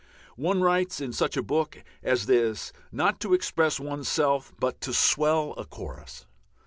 One writes in such a book as this not to express oneself but to swell a chorus.